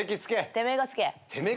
「てめえが着け」？